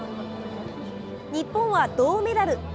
日本は銅メダル。